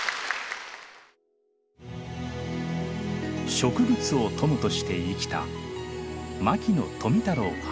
植物を友として生きた牧野富太郎博士。